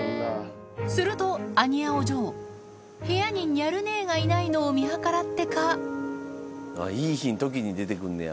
するとアニヤお嬢部屋にニャル姉がいないのを見計らってかいいひん時に出てくんのや。